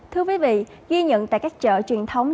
thưa quý vị ghi nhận tại các chợ truyền thống